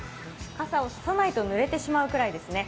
傘をささないと、ぬれてしまうくらいですね。